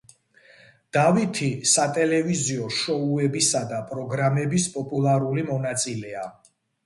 დავითი სატელევიზიო შოუებისა და პროგრამების პოპულარული მონაწილეა.